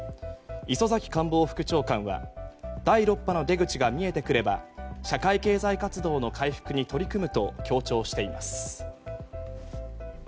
磯崎官房副長官は第６波の出口が見えてくれば社会経済活動の回復に取り組むと強調しています。